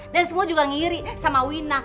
dan semua juga ngiri sama wina